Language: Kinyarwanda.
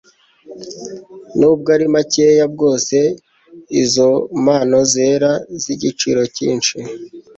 nubwo ari makeya bwose, izo mpano zera z'igiciro cyinshi